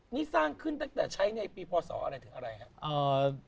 นี่สร้างขึ้นตั้งแต่ใช้ในปีพศอะไรถึงอะไรครับ